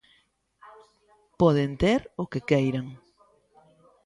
Poden ter o que queiran.